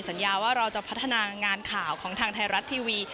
สัญญาว่าเราจะพัฒนางานข่าวของทางไทยรัฐทีวี